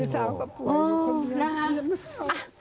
ลูกสาวกับผู้อื่นคนนี้